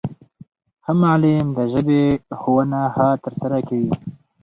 ښه معلم د ژبي ښوونه ښه ترسره کوي.